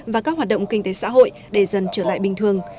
và các hoạt động kinh tế xã hội để dần trở lại bình thường